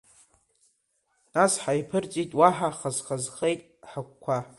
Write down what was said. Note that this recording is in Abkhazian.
Нас ҳаиԥырҵит уаҳа, хаз-хазхеит ҳагәқәа.